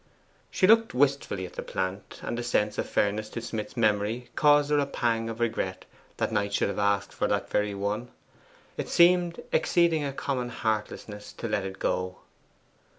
She looked wistfully at the plant, and a sense of fairness to Smith's memory caused her a pang of regret that Knight should have asked for that very one. It seemed exceeding a common heartlessness to let it go.